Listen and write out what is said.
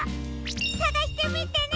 さがしてみてね！